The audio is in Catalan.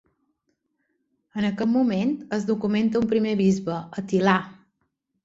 En aquest moment, es documenta un primer bisbe, Atilà.